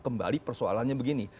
kembali persoalannya begini